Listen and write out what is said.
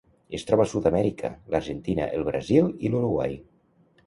Es troba a Sud-amèrica: l'Argentina, el Brasil i l'Uruguai.